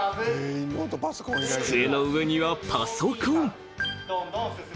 ［机の上にはパソコン］